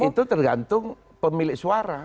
itu tergantung pemilik suara